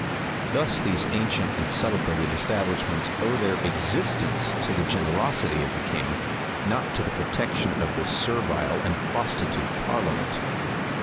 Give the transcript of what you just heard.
Thus these ancient and celebrated establishments owe their existence to the generosity of the king, not to the protection of this servile and prostitute parliament.